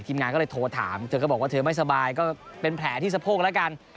งานก็เลยโทรถามเธอก็บอกว่าเธอไม่สบายก็เป็นแผลที่สะโพกแล้วกัน